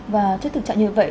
và trước tình trạng như vậy